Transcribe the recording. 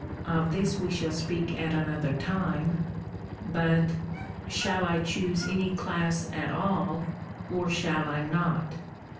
— (of this we shall speak at another time) — but, " Shall I choose any class at all, or shall I not?"